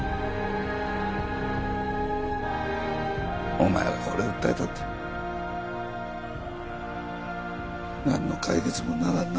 お前が俺を訴えたって何の解決にもならんな